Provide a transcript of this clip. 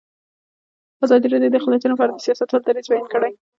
ازادي راډیو د اقلیتونه په اړه د سیاستوالو دریځ بیان کړی.